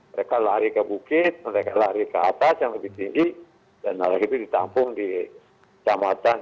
mereka lari ke bukit mereka lari ke atas yang lebih tinggi dan lari itu ditampung di kecamatan